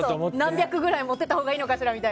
何百ぐらい持って行ったほうがいいのかとか。